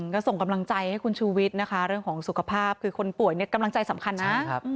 ก็ส่งกำลังใจให้คุณชูวิทย์นะคะเรื่องของสุขภาพคือคนป่วยเนี่ยกำลังใจสำคัญนะ